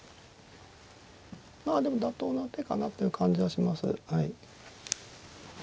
まあでも妥当な手かなという感じはします。